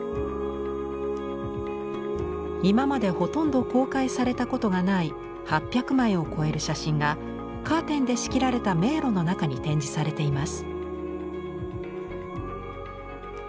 今までほとんど公開されたことがない８００枚を超える写真がカーテンで仕切られた迷路の中に展示されています。